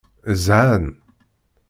Zhan.